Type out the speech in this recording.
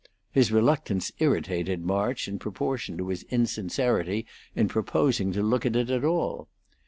His reluctance irritated March in proportion to his insincerity in proposing to look at it at all.